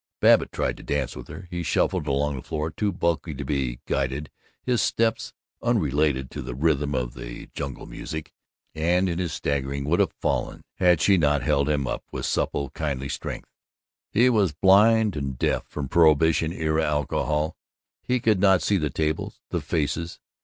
Babbitt tried to dance with her. He shuffled along the floor, too bulky to be guided, his steps unrelated to the rhythm of the jungle music, and in his staggering he would have fallen, had she not held him with supple kindly strength. He was blind and deaf from prohibition era alcohol; he could not see the tables, the faces.